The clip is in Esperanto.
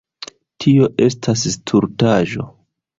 Tio estas stultaĵo.